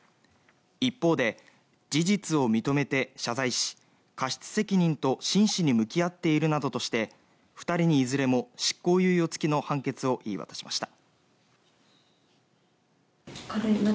一方で事実を認めて謝罪し過失責任と真摯に向き合っているなどとして２人にいずれも執行猶予付きの判決を言い渡しました。